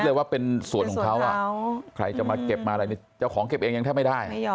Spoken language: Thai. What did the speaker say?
คือเป็นส่วนของเขาเราจะมาเก็บอะไรแต่จะของเก็บมันเองไม่ได้